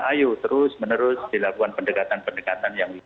ayo terus menerus dilakukan pendekatan pendekatan yang lebih